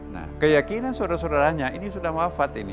nah keyakinan saudara saudaranya ini sudah wafat ini